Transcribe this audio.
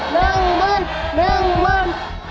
หนึ่งหมื่นหนึ่งหมื่น